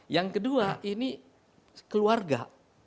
yang kedua ini keluarga